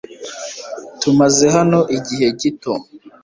Tumaze hano igihe gito .